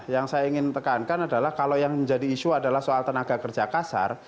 yang saya ingin tekankan adalah kalau yang menjadi isu adalah soal tenaga kerja kasar